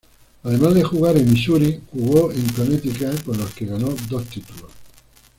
Además de jugar en Missouri jugó en Connecticut con los que ganó dos títulos.